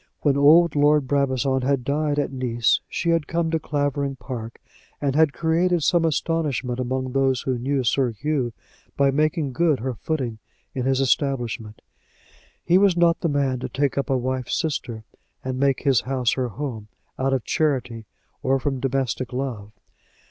When old Lord Brabazon had died at Nice she had come to Clavering Park, and had created some astonishment among those who knew Sir Hugh by making good her footing in his establishment. He was not the man to take up a wife's sister, and make his house her home, out of charity or from domestic love.